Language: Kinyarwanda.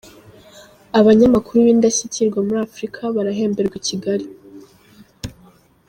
Abanyamakuru b’indashyikirwa muri Afurika barahemberwa i Kigali